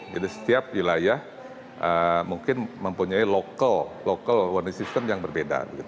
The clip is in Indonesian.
jadi setiap wilayah mungkin mempunyai local warning system yang berbeda